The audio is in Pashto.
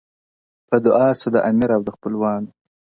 په دعا سو د امیر او د خپلوانو!